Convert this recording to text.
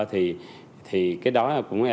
thì cái đó là